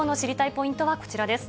ポイントはこちらです。